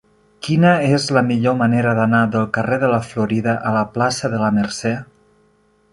Quina és la millor manera d'anar del carrer de la Florida a la plaça de la Mercè?